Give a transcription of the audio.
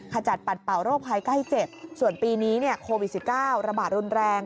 ขจัดปัดเป่าร่วมภัยใกล้เจ็บส่วนปีนี้เนี้ยโควิดสิบเก้าระบาดรุนแรง